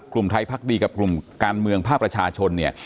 กลุ่มไทยพักดีกับกลุ่มการเมืองภาคประชาชนเนี่ย